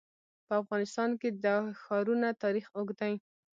په افغانستان کې د ښارونه تاریخ اوږد دی.